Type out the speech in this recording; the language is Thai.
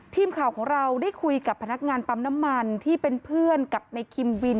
ทีมข่าวของเราได้คุยกับพนักงานปั๊มน้ำมันที่เป็นเพื่อนกับในคิมวิน